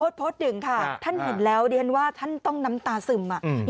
โพสต์หนึ่งค่ะท่านเห็นแล้วเดี๋ยวท่านว่าท่านต้องน้ำตาซึมอ่ะ